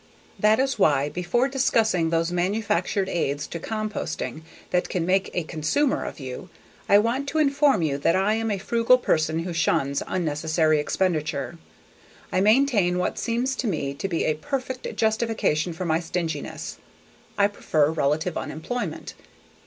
That is why before discussing those manufactured aids to composting that can make a consumer of you, I want to inform you that I am a frugal person who shuns unnecessary expenditure. I maintain what seems to me to be a perfect justification for my stinginess: I prefer relative unemployment.